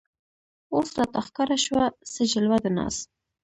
اوس راته ښکاره شوه څه جلوه د ناز